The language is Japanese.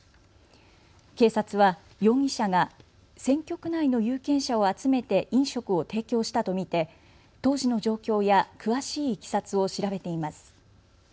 警察は容疑者が選挙区内の有権者を集めて飲食を提供したと見て当時の状況や詳しいいきさつを調べています。